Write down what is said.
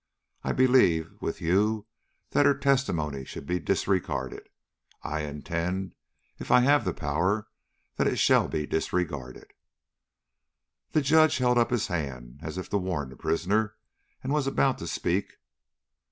I believe, with you, that her testimony should be disregarded. I intend, if I have the power, that it shall be disregarded." The Judge held up his hand, as if to warn the prisoner and was about to speak.